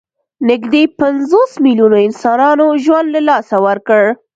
نږدې پنځوس میلیونو انسانانو ژوند له لاسه ورکړ.